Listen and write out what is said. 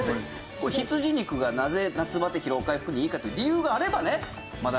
羊肉がなぜ夏バテ・疲労回復にいいかっていう理由があればねまだ。